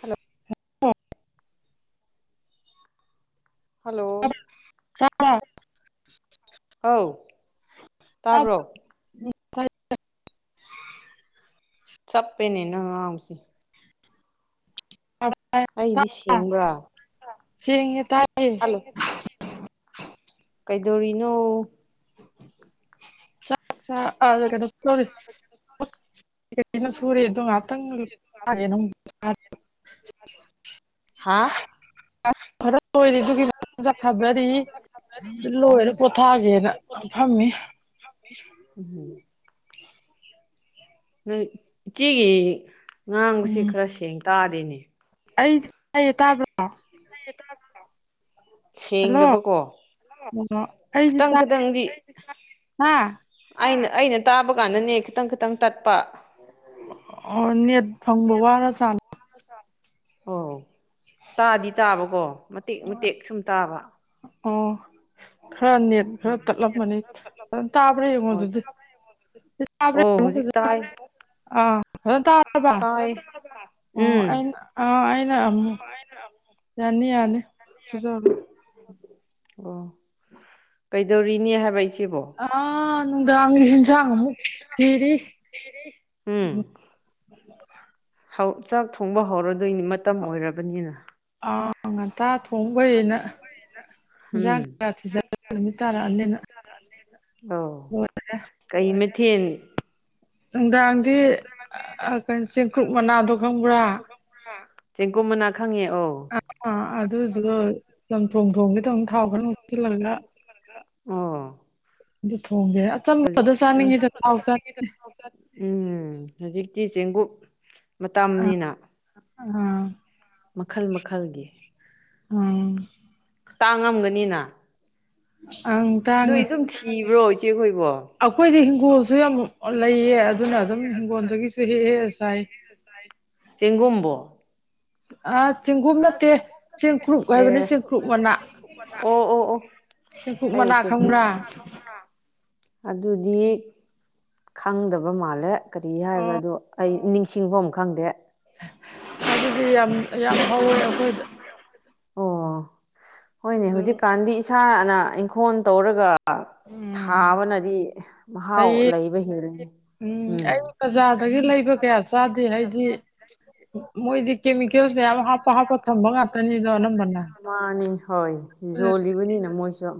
Hello hello ꯇꯥꯕ꯭ꯔꯣ [unintelligible] ꯑꯧ ꯇꯥꯕ꯭ꯔꯣ [unintelligible] ꯆꯞꯄꯦꯅꯦ ꯅꯪꯅ ꯉꯥꯡꯕꯁꯦ ꯑꯩꯒꯤꯗꯤ ꯁꯦꯡꯕ꯭ꯔꯥ ꯁꯦꯡꯉꯦ ꯇꯥꯏꯌꯦ ꯍꯜꯂꯣ ꯀꯩꯗꯧꯔꯤꯅꯣ [unintelligible] ꯆꯥꯛ ꯆ ꯑꯥꯗ ꯀꯩꯅꯣ [unintelligible] ꯁꯨꯔꯤ [unintelligible] [unintelligible] ꯍꯥꯥ [unintelligible] ꯈꯔ ꯂꯣꯏꯔꯦ ꯑꯗꯨꯒꯤ [unintelligible] ꯆꯥꯛ ꯍꯥꯖꯔꯤ ꯑꯗꯨ ꯂꯣꯏꯔꯦ ꯄꯣꯊꯥꯒꯦꯅ ꯐꯝꯃꯤ ꯎꯝꯍꯨꯝ [unintelligible] ꯅꯣꯏ ꯏꯆꯦꯒꯤ ꯉꯥꯡꯕꯁꯤ ꯈꯔ ꯁꯦꯡ ꯇꯥꯗꯦꯅꯦ ꯑꯩꯗꯤ ꯇꯥꯏꯌꯦ ꯇꯥꯕ꯭ꯔꯣ ꯇꯥꯏꯌꯦ ꯇꯥꯕ꯭ꯔꯣ ꯍꯜꯂꯣ ꯁꯦꯡꯗꯕꯀꯣ [unintelligible] ꯑꯩꯗꯤ ꯈꯤꯇꯪ ꯇꯥꯏꯌꯦ ꯈꯤꯇꯪꯗꯤ [unintelligible] ꯃꯥ ꯑꯩꯅ ꯑꯩꯅ ꯇꯥꯕ ꯀꯥꯟꯗꯅꯦ ꯈꯤꯇꯪ ꯈꯤꯇꯪ ꯇꯠꯄ ꯑꯣ ꯅꯦꯠ ꯐꯪꯕ ꯋꯥꯔ ꯖꯥꯠꯂꯣ__ [unintelligible] ꯑꯣ ꯇꯥꯗꯤ ꯇꯥꯕꯀꯣ ꯃꯇꯦꯛ ꯃꯇꯦꯛ ꯁꯨꯝ ꯇꯥꯕ ꯑꯣ ꯈꯔ ꯅꯦꯠ ꯎꯝ ꯈꯔ ꯇꯠꯂꯝꯃꯅꯤ ꯑꯗꯣ ꯇꯥꯕ꯭ꯔꯥ ꯌꯦꯡꯉꯣ ꯑꯣ ꯑꯗꯨꯗꯤ ꯇꯥꯕ꯭ꯔꯥ ꯑꯣ ꯌꯦꯡꯉꯣ ꯍꯧꯖꯤꯛ ꯐꯖꯅ ꯇꯥꯏ ꯑꯥ ꯐꯖꯅ ꯇꯥꯔꯕ ꯇꯥꯏ ꯑꯣ ꯎꯝ ꯑꯩꯅ ꯑꯥ ꯑꯩꯅ ꯑꯃꯨꯛ ꯌꯥꯅꯤ ꯌꯥꯅꯤ ꯁꯨꯖꯔꯣ. [unintelligible] ꯑꯣ ꯀꯩꯗꯧꯔꯤꯅꯦ ꯍꯥꯏꯕ ꯏꯆꯦꯕꯣ ꯑꯥ ꯅꯨꯡꯗꯥꯡꯒꯤ ꯍꯦꯟꯖꯥꯡ ꯑꯃꯨꯛ ꯊꯤꯔꯤ [unintelligible] ꯍꯧ ꯆꯥꯛ ꯊꯣꯡꯕ ꯍꯧꯔꯗꯣꯏꯅꯤ ꯃꯇꯝ ꯑꯣꯏꯔꯕꯅꯤꯅ ꯑꯧ ꯉꯟꯇꯥ ꯊꯣꯡ__ ꯊꯣꯡꯕꯩꯅ ꯏꯟꯁꯥꯡ ꯎꯝ ꯀꯌꯥ ꯊꯤꯖꯜꯂꯤ ꯅꯨꯃꯤꯠ ꯇꯥꯔꯛꯑꯅꯦꯅ [unintelligible] ꯑꯣ ꯀꯩ ꯃꯊꯦꯟ ꯅꯨꯡꯗꯥꯡꯗꯤ ꯀꯩꯅꯣ ꯆꯦꯡꯀ꯭ꯔꯨꯞ ꯃꯅꯥꯗꯣ ꯈꯪꯕ꯭ꯔꯥ ꯆꯦꯡꯀꯨꯞ ꯃꯅꯥ ꯈꯪꯉꯦ ꯑꯧ ꯑ ꯑꯗꯨꯗꯣ ꯆꯝꯊꯣꯡ ꯊꯣꯡꯒꯦꯇꯧꯅꯦ ꯊꯥꯎ ꯈꯔ__ [unintelligible] ꯍꯥꯞꯆꯤꯜꯂꯒ ꯑꯣ ꯑꯗꯨ ꯊꯣꯡꯒꯦꯅ__ ꯍꯧꯖꯤꯛ ꯑꯆꯝꯕꯗ ꯆꯥꯅꯤꯡꯉꯤꯗ ꯊꯥꯎ ꯆꯥꯅꯤꯡꯗꯦ ꯎꯝ ꯍꯧꯖꯤꯛꯇꯤ ꯆꯦꯡꯒꯨꯞ ꯃꯇꯝꯅꯤꯅ ꯑꯥ ꯃꯈꯜ ꯃꯈꯜꯒꯤ ꯎꯝ ꯇꯥꯡꯉꯝꯒꯅꯤꯅ ꯑꯪ ꯅꯣꯏ ꯇꯥꯡꯉꯦ ꯑꯗꯨꯝ ꯊꯤꯕ꯭ꯔꯣ ꯏꯆꯦꯈꯣꯏꯕꯣ ꯑꯩꯈꯣꯏꯗꯤ ꯍꯤꯡꯒꯣꯜꯁꯨ ꯌꯥꯝ ꯂꯩꯌꯦ ꯑꯗꯨꯅ ꯑꯗꯨꯝ ꯍꯤꯡꯒꯣꯜꯗꯒꯤꯁꯨ ꯍꯦꯛꯑꯦ ꯉꯁꯥꯏ ꯁꯥꯏ ꯆꯦꯡꯒꯨꯝꯕꯣ ꯑ ꯆꯦꯡꯒꯨꯝꯝ ꯅꯠꯇꯦ ꯆꯦꯡꯀ꯭ꯔꯨꯞ ꯍꯥꯏꯕꯅꯤ ꯑꯦ ꯆꯦꯡꯀ꯭ꯔꯨꯞ ꯃꯅꯥ ꯑꯣ ꯑꯣ ꯑꯣ ꯁꯦꯡꯀꯨꯨꯞ ꯑꯩ ꯃꯂꯥ ꯆꯦꯡꯀꯨꯞ ꯈꯪꯕ꯭ꯔꯥ ꯑꯗꯨꯗꯤ ꯈꯪꯗꯕ ꯃꯥꯜꯂꯦ ꯀꯔꯤ ꯑꯣ ꯍꯥꯏꯕ꯭ꯔꯥꯗꯣ ꯑꯩ ꯅꯤꯡꯁꯤꯡꯐꯝ ꯑꯃ ꯈꯪꯗꯦ ꯑꯗꯨꯗꯤ ꯌꯥꯝ ꯌꯥꯝ ꯍꯧꯋꯦ ꯑꯩꯈꯣꯏꯗ ꯑꯣ ꯍꯣꯏꯅꯦ ꯑꯗꯨ ꯍꯧꯖꯤꯛꯀꯥꯟꯗꯤ ꯏꯁꯥꯅ ꯏꯪꯈꯣꯜ ꯇꯧꯔꯒ ꯎꯝ ꯊꯥꯕꯅꯗꯤ ꯃꯍꯥꯎ ꯍꯩꯌꯦ ꯂꯩꯕ ꯍꯦꯜꯂꯤꯦ ꯎꯝ ꯕꯖꯥꯔꯗꯒꯤ ꯂꯩꯕ ꯀꯌꯥ ꯆꯥꯗꯦ ꯍꯥꯏꯗꯤ ꯃꯣꯏꯗꯤ ꯀꯦꯃꯤꯀꯦꯜꯁ ꯃꯌꯥꯝ ꯍꯥꯞꯄ ꯍꯥꯞꯄ ꯊꯝꯕ ꯉꯥꯛꯇꯅꯤꯗꯣ ꯑꯅꯝꯕꯅ ꯃꯥꯅꯤ ꯍꯣꯏ ꯌꯣꯜꯂꯤꯕꯅꯤꯅ ꯃꯣꯏꯁꯨ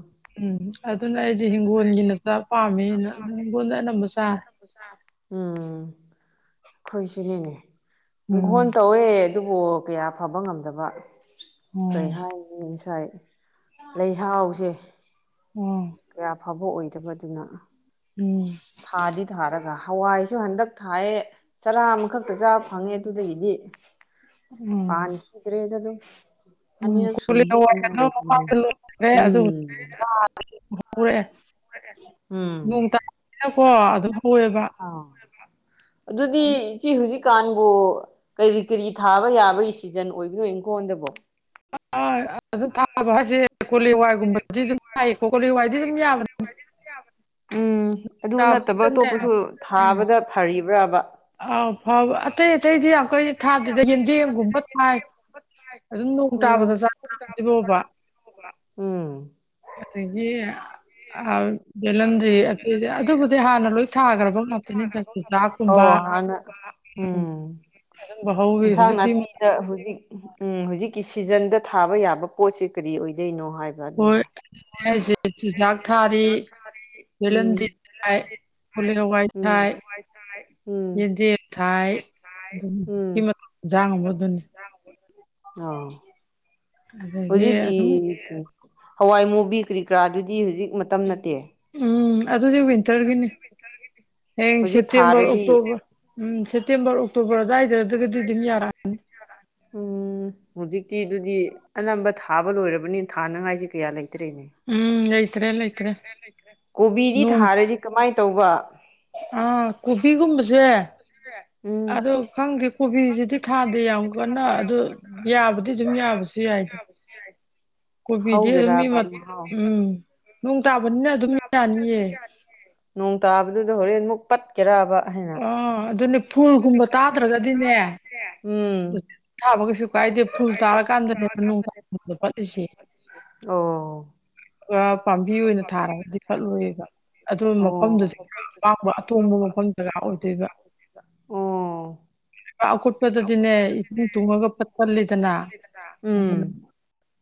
ꯎꯝ ꯑꯗꯨꯅ ꯑꯩꯗꯤ ꯍꯤꯡꯒꯣꯜꯒꯤꯅꯆꯥ ꯄꯥꯝꯃꯤ ꯍꯤꯡꯒꯣꯜꯗ ꯑꯅꯝꯕ ꯆꯥꯔꯦ ꯎꯝ ꯈꯣꯏꯁꯨꯅꯦꯅꯦ ꯍꯟ ꯎꯝ ꯇꯧ ꯑꯗꯨꯕꯨ ꯀꯌꯥ ꯐꯕ ꯉꯝꯗꯕ ꯀꯩ ꯎꯝ ꯍꯥꯏ ꯉꯁꯥꯏ ꯂꯩꯍꯥꯎꯁꯦ ꯎꯝ ꯀꯌꯥ ꯐꯕ ꯑꯣꯏꯗꯕꯗꯨꯅ ꯎꯝ ꯊꯥꯗꯤ ꯊꯥꯔꯒ ꯍꯋꯥꯏꯁꯨ ꯍꯟꯗꯛ ꯊꯥꯏꯑ ꯆꯔꯥ ꯑꯃꯈꯛꯇ ꯆꯥꯕ ꯐꯪꯉꯦ ꯑꯗꯨꯗꯒꯤꯗꯤ ꯎꯝ ꯄꯗꯔꯦꯗ ꯑꯗꯨꯣ ꯎꯝ ꯑꯅꯤꯔ ꯁꯅ ꯀꯣꯂꯤ ꯍꯦ ꯍꯋꯥꯏꯒꯗꯣ ꯃꯄꯥꯛꯇ ꯎꯝ ꯍꯔꯦ ꯎꯝ ꯩꯅ ꯀꯣ ꯑꯗꯨ ꯍꯧꯋꯦꯕ ꯑꯥ ꯑꯗꯨꯗꯤ ꯏꯆꯦ ꯍꯧꯖꯤꯛ ꯍꯧꯖꯤꯛꯀꯥꯟꯕꯨ ꯀꯔꯤ ꯀꯔꯤ ꯊꯥꯕ ꯌꯥꯕꯒꯤ ꯁꯤꯖꯟ ꯑꯣꯏꯕꯅꯣ ꯑꯩꯪꯈꯣꯟꯗꯕꯨꯣ ꯊꯥꯕ ꯍꯥꯏꯁꯦ ꯀꯣꯂꯦ ꯋꯥꯏꯒꯨꯝꯕꯗꯤ ꯑꯗꯨꯝ ꯊꯥꯏꯌꯦꯀꯣ ꯀꯣꯂ ꯋꯥꯏꯗꯤ ꯑꯗꯨꯝ ꯌꯥꯕꯅꯤꯅꯦ ꯎꯝ ꯑꯗꯨ ꯅꯠꯇꯕ ꯇꯥꯕꯁꯤꯗꯅꯦ ꯑꯇꯣꯞꯄꯁꯨ ꯎꯝ ꯊꯥꯕꯗ ꯐꯔꯤꯕ꯭ꯔꯕ ꯑꯥꯎ ꯐꯥꯎꯕ ꯑꯇꯩ ꯑꯇꯩꯗꯤ ꯌꯥꯝ ꯀꯩꯗꯤ ꯊꯥꯗꯗ ꯌꯦꯟꯖꯦꯝꯒꯨꯝꯕ ꯊꯥꯏ ꯑꯗꯨꯝ ꯅꯣꯡ ꯎꯝ ꯇꯥꯕꯗ ꯆ ꯑꯗꯨꯗꯤꯕꯣꯕ ꯎꯝ ꯑꯗꯒꯤ ꯕꯦꯂꯟꯗ꯭ꯔꯤ ꯑꯇꯩꯗꯤ ꯑꯗꯨꯕꯨꯗꯤ ꯍꯥꯟꯅ ꯂꯣꯏ ꯊꯥꯈ꯭ꯔꯕ ꯉꯥꯛꯇꯅꯤꯗ ꯆꯨꯖꯥꯛ ꯑꯣꯅ ꯎꯝ ꯐꯪꯕ ꯍꯧꯥꯎꯋꯤ ꯍꯧꯖꯤꯛꯀꯤ ꯃꯇꯝ ꯅꯥꯄꯤꯗ ꯍꯧꯖꯤꯛ ꯎꯝ ꯍꯧꯖꯤꯛꯀꯤ ꯁꯤꯖꯟꯗ ꯊꯥꯕ ꯌꯥꯕ ꯄꯣꯠꯁꯤꯦ ꯀꯔꯤ ꯑꯣꯏꯗꯣꯏꯅꯣ ꯍꯥꯏꯕ ꯍꯣꯏ ꯑꯗꯨꯗ ꯑꯩꯁꯦ ꯆꯨꯖꯥꯛ ꯊꯥꯔꯤ ꯎꯝ ꯕꯦꯂꯦꯟꯗ꯭ꯔꯤ ꯀꯂꯤ ꯀ ꯋꯥꯥꯏ ꯎꯝ ꯊꯥꯏ ꯎꯝ ꯌꯦꯗꯤ ꯊꯥꯏ ꯎꯝ ꯑꯗꯨꯀꯤꯖꯥꯡꯕ ꯑꯗꯨꯅꯤ ꯑꯥ ꯍꯧꯖꯤꯛꯀꯤ ꯍꯋꯥꯏ ꯃꯨꯕꯤ ꯀꯔꯤꯀꯔꯥꯗꯨꯗꯤ ꯍꯧꯖꯤꯛ ꯃꯇꯝ ꯅꯠꯇꯦ ꯎꯝ ꯑꯗꯨꯗꯤ ꯋꯤꯟꯇꯔꯒꯤꯅꯤ ꯍꯌꯦꯡ ꯍꯧꯖꯤꯛ ꯁꯦꯞꯇꯦꯝꯕꯔ ꯊꯥꯔꯗꯤ ꯑꯣꯛꯇꯣꯕꯔ ꯎꯝ ꯁꯦꯞꯇꯦꯝꯕꯔ ꯑꯣꯛꯇꯣꯕꯔ ꯑꯗꯨꯋꯥꯏꯗ꯭ꯔꯒꯗꯤ ꯑꯗꯨꯝ ꯌꯥꯔꯛꯑꯅꯤ ꯎꯝ ꯍꯧꯖꯤꯛꯇꯤ ꯑꯗꯨꯗꯤ ꯑꯅꯝꯕ ꯊꯥꯕ ꯂꯣꯏꯔꯕꯅꯤ ꯊꯥꯅꯉꯥꯏꯁꯦ ꯀꯌꯥ ꯂꯩꯇ꯭ꯔꯦꯅꯦ ꯎꯝ ꯂꯩꯇ꯭ꯔꯦ ꯂꯩꯇ꯭ꯔꯦ ꯀꯣꯕꯤꯗꯤ ꯅꯣꯡ ꯊꯥꯔꯗꯤ ꯀꯃꯥꯏꯅ ꯇꯧꯕ ꯑꯥ ꯀꯣꯕꯤꯒꯨꯝꯕꯁꯦ ꯁ ꯑꯗꯣ ꯈꯪꯗꯦ ꯀꯣꯕꯤꯁꯤꯗꯤ ꯊꯥꯗꯦ ꯌꯥꯝ ꯀꯟꯅ ꯑꯗꯨ ꯌꯥꯕꯗꯤ ꯑꯗꯨꯝ ꯌꯥꯕꯁꯨ ꯌꯥꯏꯗ ꯀꯣꯕꯤꯗꯤ ꯑꯗꯨꯝ ꯃꯤ ꯍꯧꯒꯦꯔꯕ ꯃꯍꯥꯎ ꯎꯝ ꯅꯣꯡ ꯇꯥꯕꯅꯤꯅ ꯑꯗꯨꯝ ꯃꯤ ꯌꯥꯅꯤꯌꯦ ꯅꯣꯡ ꯇꯥꯕꯗꯨꯗ ꯍꯣꯔꯦꯟ ꯑꯃꯨꯛ ꯄꯠ ꯇꯦꯔꯕ ꯍꯩ ꯑ ꯑꯗꯨꯅꯦ ꯐꯨꯜꯒꯨꯝꯕ ꯇꯥꯗ꯭ꯔꯒꯗꯤꯅꯦ ꯎꯝ ꯊꯥꯕ ꯀꯩꯁꯨ ꯀꯥꯏꯗꯦ ꯐꯨꯜ ꯇꯥꯔꯀꯥꯟꯗ ꯍꯦꯟꯅꯣꯡꯗ ꯄꯠꯂꯤꯁꯦ ꯑꯣ ꯑꯥ ꯄꯥꯝꯕꯤ ꯑꯣꯏꯅ ꯊꯥꯔꯒꯗꯤ ꯐꯠꯂꯣꯏꯌꯦꯕ ꯑꯗꯨ ꯃꯐꯝꯗꯨꯗꯤ ꯑꯣ ꯑꯄꯥꯝꯕ ꯑꯇꯣꯡꯕ ꯃꯐꯝ ꯗꯔꯀꯥꯔ ꯑꯣꯏꯗꯣꯏꯕ ꯑꯣ ꯑꯀꯨꯠꯄꯗꯗꯤꯅꯦ ꯏꯁꯤꯡ ꯇꯨꯡꯉꯒ ꯄꯠꯀꯜꯂꯤꯗꯅ ꯎꯝ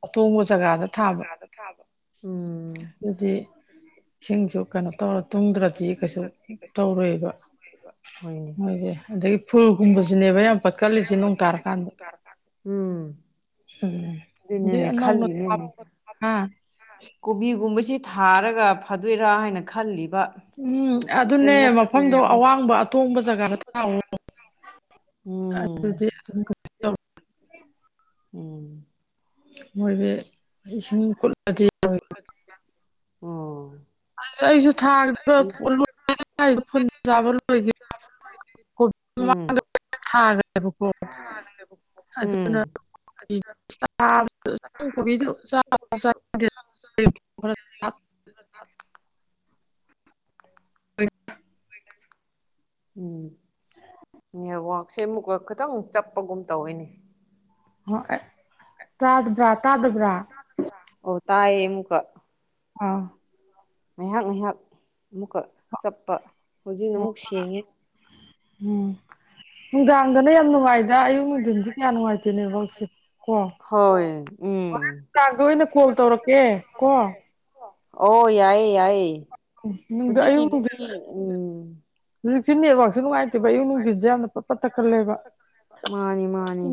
ꯑꯇꯣꯡꯕ ꯖꯒꯥꯗ ꯊꯥꯕ ꯎꯝ ꯑꯗꯨꯗꯤ ꯏꯁꯤꯡꯁꯨ ꯀꯩꯅꯣ ꯇꯧꯔ ꯇꯨꯡꯗ꯭ꯔꯗꯤ ꯀꯩꯁꯨ ꯇꯧꯔꯣꯏꯕ ꯑꯣꯏꯕ ꯃꯣꯏꯁꯦ ꯑꯗꯒꯤ ꯐꯨꯜꯒꯨꯝꯕꯁꯤꯅꯦꯕ ꯌꯥꯝ ꯄꯠꯀꯜꯂꯤꯁꯦ ꯅꯣꯡ ꯇꯥꯔꯀꯥꯟꯗ ꯎꯝ ꯎꯝ ꯗꯨꯏ ꯑꯗꯨꯅꯅꯦ ꯑꯅꯧꯅꯥ ꯈꯜꯂꯤꯅꯤꯅꯦ [unintelligible] ꯍꯥ ꯀꯣꯕꯤꯒꯨꯝꯕꯁꯤ ꯊꯥꯔꯒ ꯐꯥꯗꯣꯏꯔꯥ ꯍꯥꯏꯅ ꯈꯜꯂꯤꯕ ꯎꯝ ꯁꯤꯖꯟ ꯑꯗꯨꯅꯦ ꯃꯐꯝꯗꯣ ꯅꯠꯇꯕꯒꯤ ꯑꯋꯥꯡꯕ ꯑꯇꯣꯡꯕ ꯖꯒꯥꯗ ꯊꯥꯑꯣ ꯎꯝ ꯑꯗꯨꯗꯤ ꯑꯗꯨꯃ ꯀꯩ ꯎꯝ ꯃꯣꯏꯁꯦ ꯏꯁꯤꯡ ꯀꯨꯜ ꯑꯣ ꯑꯗꯨ ꯑꯩꯁꯨ ꯊꯥꯗꯕꯣ [unintelligible] ꯆꯥꯕ ꯂꯣꯏꯗꯦ ꯀꯣꯕꯤ ꯎꯝ ꯃꯃꯥꯡꯗ ꯊꯥꯒꯔꯦꯕꯥꯀꯣ ꯎꯝ [unintelligible] [unintelligible] ꯎꯝ ꯅꯦꯠꯋꯥꯛꯁꯦ ꯑꯃꯨꯛꯀ ꯈꯤꯇꯪ ꯆꯞꯄꯒꯨꯝ ꯇꯧꯏꯅꯦ ꯍꯣꯏ ꯇꯥꯗꯕ꯭ꯔꯥ ꯇꯥꯗꯕ꯭ꯔꯥ ꯑꯣ ꯇꯥꯏꯌꯦ ꯑꯃꯨꯀ ꯑꯥ ꯉꯥꯏꯍꯥꯛ ꯉꯥꯏꯍꯥꯛ ꯑꯃꯨꯛꯀ ꯆꯞꯄ ꯍꯧꯖꯤꯛꯅ ꯑꯃꯨꯛ ꯁꯦꯡꯉꯦ ꯎꯝ ꯅꯨꯡꯗꯥꯡꯗꯅ ꯌꯥꯝ ꯅꯨꯡꯉꯥꯏꯗ ꯑꯌꯨꯛ ꯅꯨꯡꯊꯤꯟꯗꯤ ꯀꯌꯥ ꯅꯨꯡꯉꯥꯏꯇꯦ ꯅꯦꯠꯋꯥꯛꯁꯦ ꯀꯣ ꯍꯣꯏ ꯍꯣꯔꯦꯟ ꯎꯝ ꯀꯥꯡꯗ ꯑꯣꯏꯅ ꯀꯣꯜ ꯇꯧꯔꯛꯀꯦ ꯀꯣ ꯑꯣ ꯌꯥꯏꯌꯦ ꯌꯥꯏꯌꯦ ꯍꯧꯖꯤꯛꯀꯤꯗꯨꯗꯤ ꯎꯝ ꯍꯨꯖꯤꯛꯁꯤ ꯅꯦꯠꯋꯥꯛ ꯃꯥꯅꯤ ꯃꯥꯅꯤ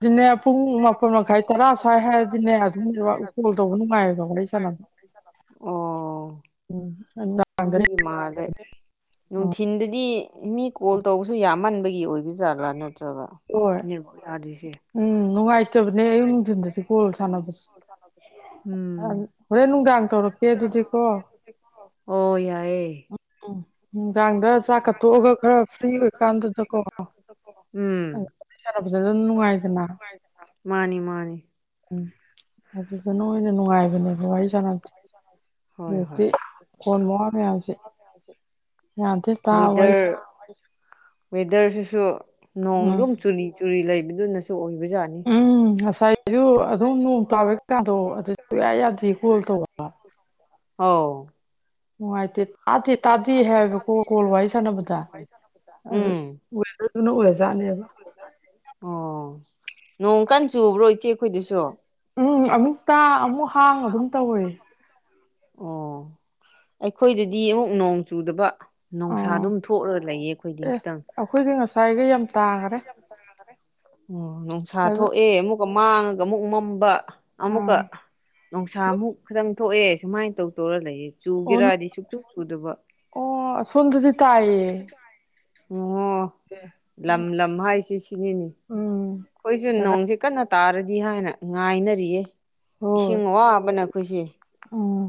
ꯑꯗꯨꯅꯦ ꯄꯨꯡ ꯃꯥꯄꯟ ꯃꯈꯥꯏ ꯇꯔꯥ ꯁ꯭ꯋꯥꯏ ꯍꯥꯏꯔꯗꯤꯅꯦ ꯑꯗꯨꯝ ꯅꯦꯠꯋꯥꯛ ꯀꯣꯜ ꯇꯧꯕ ꯅꯨꯡꯉꯥꯏꯌꯦꯕꯥ ꯋꯥꯔꯤꯁꯥꯟꯅ ꯑꯣ ꯎꯝ ꯈꯪꯕ ꯑꯗꯨꯒꯤ ꯃꯥꯜꯂꯦ ꯅꯨꯡꯊꯤꯟꯗꯗꯤ ꯃꯤ ꯀꯣꯜ ꯇꯧꯕꯁꯨ ꯌꯥꯝꯃꯟꯕꯒꯤ ꯑꯣꯏꯕ ꯔꯥ ꯅꯠꯇ꯭ꯔꯒ ꯍꯣꯏ ꯅꯦꯠꯋꯥꯛ ꯌꯥꯔ ꯍꯨꯖꯤꯁꯦ ꯎꯝ ꯅꯨꯡꯉꯥꯏꯇꯕꯅꯦ ꯑꯌꯨꯛ ꯅꯨꯡꯊꯤꯟꯗꯁꯨ ꯀꯣꯜ ꯁꯥꯟꯅꯕꯁꯤ ꯎꯝ ꯍꯣꯔꯦꯟ ꯅꯨꯡꯗꯥꯡ ꯇꯧꯔꯛꯀꯦ ꯑꯗꯨꯗꯤꯀꯣ ꯑꯣ ꯌꯥꯏꯌꯦ ꯎꯝ ꯎ ꯅꯨꯡꯗꯥꯡꯗ ꯆꯥꯛ ꯀꯠꯇꯣꯛꯑꯒ ꯈꯔ ꯐ꯭ꯔꯤ ꯑꯣꯏꯀꯥꯟꯗꯨꯗꯀꯣ ꯎꯝ ꯑꯥ ꯋꯥꯔꯤ ꯁꯥꯅꯕꯥꯗꯗꯨꯝ ꯅꯨꯉꯥꯏꯗꯅꯥ ꯃꯥꯅꯤ ꯃꯥꯅꯤ ꯎꯝ ꯑꯗꯨꯗ ꯅ ꯑꯣꯏꯅ ꯅꯨꯡꯉꯥꯏꯕꯅꯦꯕ ꯋꯥꯔꯤ ꯁꯥꯟꯅꯕ ꯍꯣꯏ ꯍꯧꯖꯤꯛꯇꯤ ꯍꯣꯏ ꯀꯣꯟ ꯃ ꯃꯌꯥꯝꯁꯦ ꯌꯥꯝ ꯊꯤ ꯇꯥꯕ ꯑꯩꯁꯦ ꯋꯦꯗꯔ ꯋꯦꯗꯔꯁꯤꯁꯨ ꯎꯝ ꯅꯣꯡꯗꯨꯝ ꯆꯨꯔꯤ ꯆꯨꯔꯤ ꯂꯩꯕꯗꯨꯅꯁꯨ ꯑꯣꯏꯕ ꯌꯥꯅꯤ ꯎꯝ ꯉꯁꯥꯏꯁꯨ ꯑꯗꯨꯝ ꯅꯣꯡ ꯇꯥꯕꯀꯥꯟꯗꯣꯛ ꯑꯗꯨ ꯁꯨꯌꯥ ꯌꯥꯗꯦ ꯀꯣꯜ ꯇꯧꯕ ꯑꯥꯎ ꯅꯨꯡꯉꯥꯏꯇꯦ ꯇꯥꯗꯦ ꯇꯥꯗꯦ ꯍꯥꯏꯒ ꯀꯣ ꯀꯣꯜ ꯋꯥꯔꯤ ꯁꯥꯟꯅꯕꯗ ꯑꯗꯨ ꯎꯝ ꯋꯦꯗꯔꯗꯨꯅ ꯑꯣꯏꯔꯖꯥꯠꯅꯦꯕ ꯑꯣ ꯅꯣꯡ ꯀꯥꯟ ꯆꯨꯕ꯭ꯔꯣ ꯏꯆꯦ ꯑꯩꯈꯣꯏꯗꯨꯁꯨ ꯎꯝ ꯑꯃꯨꯛ ꯇꯥ ꯑꯃꯨꯛ ꯍꯥꯡꯉ ꯑꯗꯨꯝ ꯇꯧꯋꯦ ꯑꯣ ꯑꯩꯈꯣꯏꯗꯗꯤ ꯑꯃꯨꯛ ꯅꯣꯡ ꯆꯨꯗꯕ ꯅꯨꯡꯁꯥ ꯑꯥ ꯑꯗꯨꯝ ꯊꯣꯛꯂꯒ ꯂꯩꯌꯦ ꯑꯩꯈꯣꯏꯗꯤ ꯑꯦ ꯈꯤꯇꯪ ꯑꯩꯈꯣꯏꯗꯤ ꯉꯁꯥꯏꯒ ꯌꯥꯝ ꯇꯥꯈꯔꯦ ꯑꯣ ꯅꯨꯡꯁꯥ ꯑꯗꯨ ꯊꯣꯛꯑꯦ ꯑꯃꯨꯛꯀ ꯃꯥꯡꯉꯒ ꯑꯃꯨꯛ ꯃꯝꯕ ꯑꯃꯨꯛꯀ ꯑꯥ ꯅꯨꯡꯁꯥꯃꯨꯛ ꯈꯤꯇꯪ ꯊꯣꯛꯑꯦ ꯁꯨꯃꯥꯏꯅ ꯇꯧ ꯇꯧꯔ ꯂꯩꯔꯤꯁꯦ ꯑꯣ ꯆꯨꯒꯦꯔꯗꯤ ꯁꯨꯛꯁꯨꯨ ꯆꯨꯗꯕ ꯑꯣ ꯑꯁꯣꯝꯗꯗꯤ ꯇꯥꯏꯌꯦ ꯑꯣꯍꯣ ꯂꯝ ꯂꯝ ꯍꯥꯏꯁꯤ ꯁꯤꯅꯤꯅꯤ ꯑꯣ ꯑꯩꯈꯣꯏꯁꯨ ꯅꯣꯡꯁꯤꯦ ꯀꯟꯅ ꯇꯥꯔꯗꯤ ꯍꯥꯏꯅ ꯉꯥꯏꯅꯔꯤꯌꯦ ꯍꯣꯏ ꯏꯁꯤꯡ ꯋꯥꯕꯅ ꯑꯩꯈꯣꯏꯁꯦ ꯎꯝ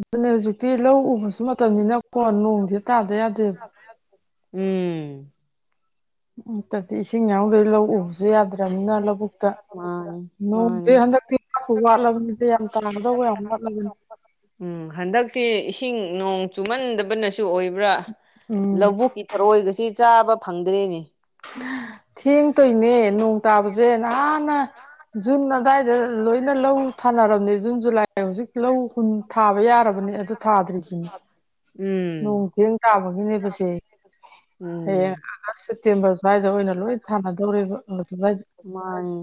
ꯑꯗꯨꯅꯦ ꯍꯧꯖꯤꯛꯇꯤ ꯂꯧ ꯎꯕꯁꯨ ꯃꯇꯝꯅꯤꯅꯀꯣ ꯅꯣꯡꯗꯤ ꯇꯗꯦ ꯑ ꯑꯗꯨ ꯎꯝ ꯠꯇꯗꯤ ꯏꯁꯤꯡ ꯌꯥꯎꯈꯩ ꯂꯧ ꯎꯕꯁꯨ ꯌꯥꯗ꯭ꯔꯅꯤꯅ ꯂꯧꯕꯨꯛꯇ ꯑ ꯅꯣꯡꯗꯤ ꯍꯟꯗꯛꯛꯇꯄꯨ ꯋꯥ ꯂꯕꯅꯤꯗ ꯌꯥꯝ ꯇꯔꯗ ꯌꯥꯝ ꯋꯥ ꯂꯅꯤ ꯎꯝ ꯍꯟꯗꯛꯁꯦ ꯏꯁꯤꯡ ꯅꯣꯡ ꯆꯨꯝꯃꯟꯗꯕꯅꯁꯨ ꯁꯨ ꯑꯣꯏꯕ꯭ꯔꯥ ꯎꯝ ꯂꯧꯕꯨꯛꯀꯤ ꯊꯔꯣꯏꯒꯁꯤ ꯆꯥꯕ ꯐꯪꯗ꯭ꯔꯦꯅꯦ ꯊꯦꯡꯇꯣꯏꯅꯦ ꯅꯣꯡ ꯇꯥꯕꯁꯦ ꯅꯍꯥꯟꯟꯅ ꯖꯨꯟ ꯑꯗꯥꯋꯥꯏꯗ ꯂꯣꯏꯅ ꯂꯧ ꯊꯥꯅꯔꯝꯅꯦ ꯖꯨꯟ ꯖꯨꯂꯥꯏ ꯍꯧꯖꯤꯛ ꯂꯧ ꯍꯨꯟ ꯊꯥꯕ ꯌꯥꯔꯕꯅꯦ ꯑꯗꯨ ꯊꯥꯗ꯭ꯔꯤꯁꯤꯅꯤ ꯎꯝ ꯅꯣꯡꯊꯦꯡ ꯇꯥꯕꯒꯤꯅꯦꯕꯁꯦ ꯍꯌꯦꯡ ꯎꯝ ꯑ ꯁ꯭ꯋꯥꯏꯗ ꯑꯣꯏꯅ ꯂꯣꯏ ꯊꯥꯅꯗꯧꯔꯕꯏꯗ ꯃꯥꯅꯤ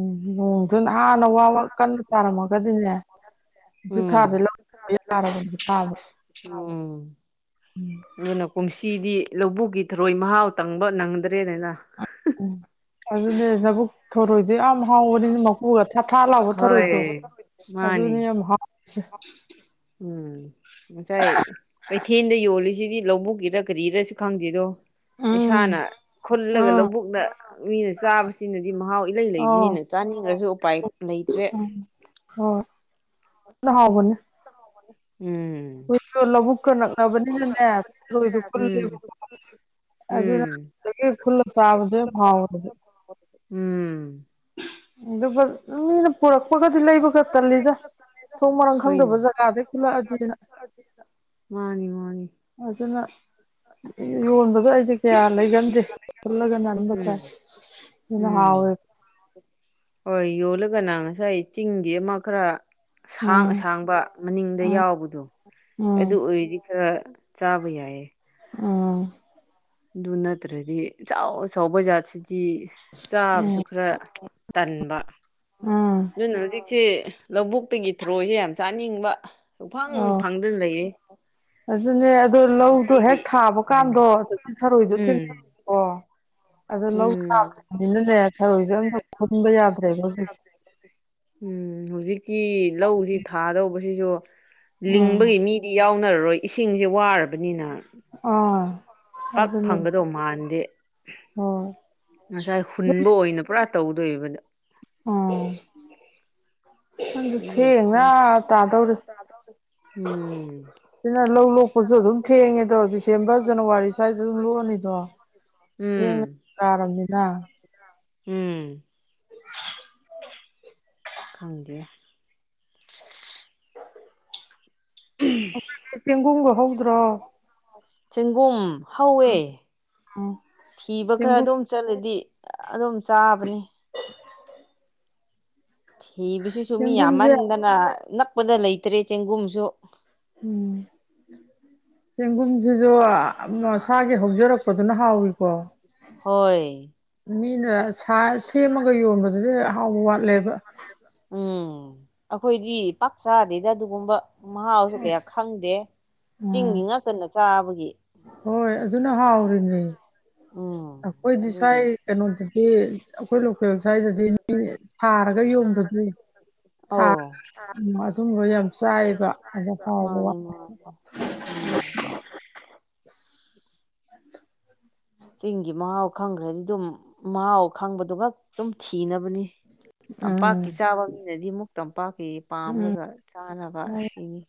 ꯎꯝ ꯎꯝ ꯑꯗꯨꯅ ꯍꯥꯟꯅ ꯋꯥ ꯀꯟꯅ ꯇꯥꯔꯝꯃꯒꯗꯤꯅꯦ ꯖꯤꯨꯀꯥꯥꯁ ꯎꯝ ꯂ ꯌꯥꯔꯕꯥꯕ ꯎꯝ ꯎꯝ ꯑꯗꯨꯅ ꯀꯨꯝꯁꯤꯗꯤ ꯂꯧꯕꯨꯛꯀꯤ ꯊꯔꯣꯏ ꯃꯍꯥꯎ ꯇꯪꯕ ꯅꯪꯗ꯭ꯔꯦꯅꯤꯅ ꯑꯗꯨꯅꯦ ꯂꯕꯨꯛ ꯊꯣꯔꯣꯏꯗꯤꯦ ꯌꯥꯝ ꯍꯥꯎꯕꯅꯤꯅ ꯎꯒ ꯊꯥ ꯊꯥ ꯂꯥꯎꯕ ꯊꯔꯣꯏꯗꯣ ꯍꯣꯏ ꯃꯥꯅꯤ ꯑꯗꯨꯅꯤ ꯌꯥꯝ ꯍꯥꯎ ꯎꯝ ꯃꯁꯥꯏ ꯀꯩꯊꯦꯜꯗ ꯌꯣꯜꯂꯤꯁꯤꯗꯤ ꯂꯧꯕꯨꯛꯀꯤꯔ ꯀꯔꯤꯔꯥꯁꯨ ꯈꯪꯗꯦꯗꯣ ꯏꯁꯥꯅ ꯎꯝ ꯈꯨꯜꯂꯒ ꯑꯥ ꯂꯧꯕꯨꯛꯅ ꯃꯤꯅ ꯆꯥꯕꯁꯤꯅꯗꯤ ꯃꯍꯥꯎ ꯏꯂꯩ ꯑꯧ ꯂꯩꯕꯅꯤꯅ ꯆꯥꯅꯤꯡꯉꯁꯨ ꯎꯄꯥꯏ ꯂꯩꯇ꯭ꯔꯦ ꯍ ꯍꯕꯅꯦ ꯎꯝ ꯑꯩꯈꯣꯏꯁꯨ ꯂꯧꯕꯨꯛꯀ ꯅꯛꯅꯕꯅꯦꯅꯅꯦ ꯎꯝ ꯐꯔꯣꯏꯗꯜꯂꯦꯕ ꯎꯝ ꯑꯖꯤ ꯐꯨꯂ ꯁꯥꯕꯖꯦ ꯐꯥꯎ ꯑꯣꯏꯔꯦ ꯎꯝ ꯑꯗꯨꯒ ꯃꯤꯅ ꯄꯨꯔꯛꯄꯒꯗꯤ ꯂꯩꯕꯒ ꯇꯜꯂꯤꯗ ꯊꯣꯡ ꯃꯔꯥꯡ ꯈꯪꯗꯕ ꯍꯣꯏꯅꯦ ꯖꯒꯥꯗꯩ ꯈꯨꯜꯂꯛꯑꯗꯤꯅ ꯃꯥꯅꯤ ꯃꯥꯅꯤ ꯑꯗꯨꯅ ꯌꯣꯟꯕꯗꯣ ꯑꯩꯗꯤ ꯀꯌꯥ ꯐꯒꯟꯗꯦ ꯐꯜꯒꯟ ꯑꯟꯕꯁ ꯎꯝ ꯏꯅ ꯍꯥꯎ ꯎꯝ ꯍꯣꯏ ꯌꯣꯜꯂꯒꯅ ꯉꯁꯥꯏ ꯆꯤꯡꯒꯤ ꯑꯃ ꯈꯔ ꯑꯁꯥꯡ ꯎꯝ ꯑꯁꯥꯡꯕ ꯃꯅꯤꯡꯗ ꯎꯝ ꯌꯥꯎꯕꯗꯣ ꯑꯗꯨ ꯎꯝ ꯑꯣꯏꯔꯗꯤ ꯈ ꯆꯥꯕ ꯌꯥꯏꯌꯦ ꯎꯝ ꯑꯗꯨ ꯅꯠꯇ꯭ꯔꯗꯤ ꯑꯆ ꯑꯆꯕ ꯖꯥꯠꯁꯤꯗꯤ ꯆꯥꯕꯁꯨ ꯎꯝ ꯈꯔ ꯇꯟꯕ ꯎꯝ ꯑꯗꯨꯅ ꯍꯧꯖꯤꯛꯁꯤꯦ ꯂꯧꯕꯨꯛꯇꯒꯤ ꯊꯣꯔꯣꯏꯁꯦ ꯌꯥꯝ ꯆꯥꯅꯤꯡꯕ ꯁꯨꯐꯪ ꯑꯧ ꯐꯪꯗꯅ ꯂꯩꯔꯤ ꯑꯗꯨꯅꯦ ꯑꯗꯣ ꯂꯧꯗꯣ ꯍꯦꯛ ꯊꯥꯕ ꯀꯥꯟꯗꯣ ꯎꯝ ꯑꯗꯨꯗꯤ ꯊꯔꯣꯏꯗꯣ ꯊꯦꯡꯅꯩ ꯎꯝ ꯑꯣ ꯑꯗꯣ ꯂꯧ ꯎꯝ ꯁꯥꯈ꯭ꯔꯕꯅꯤꯅꯅꯦ ꯊꯔꯣꯏꯁꯦ ꯑꯝꯇ ꯈꯨꯟꯕ ꯌꯥꯗ꯭ꯔꯦꯕ ꯍꯧꯖꯤꯛꯁꯦ ꯎꯝ ꯍꯧꯖꯤꯛꯀꯤ ꯂꯧꯁꯤ ꯊꯥꯗꯧꯕꯁꯤꯁꯨ ꯎꯝ ꯂꯤꯡꯕꯒꯤ ꯃꯤ꯫ ꯗꯤ ꯌꯥꯎꯅꯔꯔꯣꯏ ꯏꯁꯤꯡꯁꯦ ꯋꯥꯔꯕꯅꯤꯅ ꯑ ꯄꯛ ꯐꯪꯒꯗꯧ ꯃꯥꯟꯗꯦ ꯍꯣꯏ ꯉꯁꯥꯏ ꯍꯨꯟꯕ ꯑꯣꯏꯅ ꯄꯨꯔꯥ ꯇꯧꯗꯣꯏꯕꯅꯦ ꯎꯝ ꯑꯗꯨ ꯊꯦꯡꯅ ꯇꯥꯗꯧꯔꯤ ꯎꯝ ꯁꯤꯅ ꯂꯧ ꯂꯣꯛꯄꯁꯨ ꯑꯗꯨꯝ ꯊꯦꯡꯉꯦꯗꯣ ꯗꯤꯁꯦꯝꯕꯔ ꯖꯅꯋꯥꯔꯤ ꯁ꯭ꯋꯥꯏꯗ ꯑꯗꯨꯝ ꯂꯣꯛꯑꯅꯤꯗꯣ ꯎꯝ ꯊꯦꯡꯅ ꯆꯥꯔꯕꯔꯕꯅꯤꯅ ꯎꯝ ꯈꯪꯗꯦ ꯑꯩꯈꯣꯏ ꯆꯦꯡꯒꯨꯝꯒ ꯍꯧꯗ꯭ꯔꯣ꯫ ꯆꯦꯡꯒꯨꯝ ꯍꯧꯋꯦ ꯎꯝ ꯊꯤꯕ ꯈꯔ ꯆꯦꯡꯒꯨꯝ ꯑꯗꯨꯝ꯫ ꯏꯆꯂꯗꯤ ꯑꯗꯨꯝ ꯆꯥꯕꯅꯤ ꯍꯤꯕꯁꯤꯁꯨ ꯃꯤ ꯆꯦꯡꯒꯨꯝꯁꯦ ꯌꯥꯝꯃꯟꯗꯅ ꯅꯛꯄꯗ ꯂꯩꯇ꯭ꯔꯦ ꯆꯦꯡꯒꯨꯝꯁꯨ ꯎꯝ ꯆꯦꯡꯒꯨꯝꯁꯤꯁꯨ ꯃꯁꯥꯒꯤ ꯍꯧꯖꯔꯛꯄꯗꯨꯅ ꯍꯥꯎꯏꯀꯣ ꯍꯣꯏ ꯃꯤꯅ ꯁꯥ ꯁꯦꯝꯃꯒ ꯌꯣꯟꯕꯗꯗꯤ ꯑꯍꯥꯎꯕ ꯋꯥꯠꯂꯦꯕ ꯎꯝ ꯑꯩꯈꯣꯏꯗꯤ ꯄꯥꯛꯆꯥꯗꯩꯗ ꯑꯗꯨꯒꯨꯝꯕ ꯃꯍꯥꯎꯁꯨ ꯀꯌꯥ ꯈꯪꯗꯦ ꯆꯤꯡꯒꯤ ꯎꯝ ꯉꯛꯇꯅ ꯆꯥꯕꯒꯤ ꯍꯣꯏ ꯑꯗꯨꯅ ꯍꯥꯎꯔꯤꯅꯦ ꯎꯝ ꯑꯩꯈꯣꯏꯗꯤ ꯁ꯭ꯋꯥꯏ ꯑꯗꯨꯒꯤ ꯀꯩꯅꯣꯗꯗꯤ ꯑꯩꯈꯣꯏ ꯂꯣꯀꯦꯜ ꯁ꯭ꯋꯥꯏꯗꯗꯤ ꯃꯤ ꯁꯥꯔꯒ ꯌꯣꯟꯕꯗꯤ ꯊꯥ ꯑꯧ ꯑꯗꯨꯝꯕ ꯌꯥꯝ ꯆꯥꯏꯑꯕ ꯑꯗꯣ ꯍꯥꯎꯕ ꯋꯥꯠ꯫ ꯑꯣꯝ [unintelligible] ꯆꯤꯡꯒꯤ ꯃꯍꯥꯎ ꯈꯪꯈ꯭ꯔꯗꯤ ꯑꯗꯨꯝ ꯃꯍꯥꯎ ꯈꯪꯕꯗꯨꯒꯛ ꯑꯗꯨꯝ ꯊꯤꯅꯕꯅꯤ ꯇꯝꯄꯥꯛꯀꯤ ꯎꯝ ꯆꯥꯕ ꯃꯤꯅꯗꯤ ꯑꯃꯨꯛ ꯇꯝꯄꯥꯛꯀꯤ ꯎꯝ ꯄꯥꯝꯔꯒ ꯆꯥꯅꯕ ꯑꯁꯤꯅꯤ